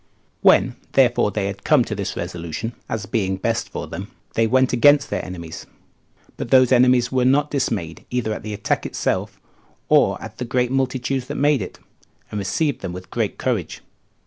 2. When, therefore, they had come to this resolution, as being best for them, they went against their enemies; but those enemies were not dismayed either at the attack itself, or at the great multitude that made it, and received them with great courage.